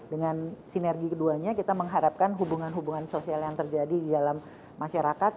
dengan sinergi keduanya kita mengharapkan hubungan hubungan sosial yang terjadi di dalam masyarakat